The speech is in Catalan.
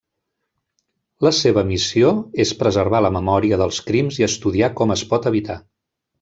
La seva missió és preservar la memòria dels crims i estudiar com es pot evitar.